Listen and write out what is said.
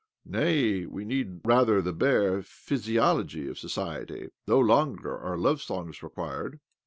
Nay, we need, rather, the bare physiology of society. No longer are love songs required."